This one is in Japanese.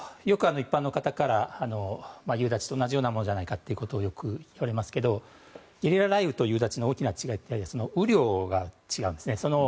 一般の方から夕立と同じようなものじゃないかとよく聞かれますけどゲリラ雷雨と夕立の大きな違いは雨量が違うんです。